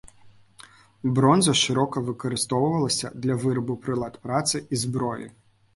Бронза шырока выкарыстоўвалася для вырабу прылад працы і зброі.